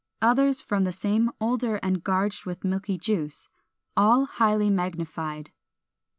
Others from the same older and gorged with milky juice. All highly magnified.